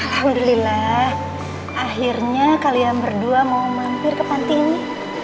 alhamdulillah akhirnya kalian berdua mau mampir ke panti ini